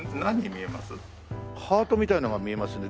ハートみたいなのが見えますね。